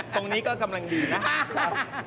ตรงนี้ก็กำลังดีนะครับ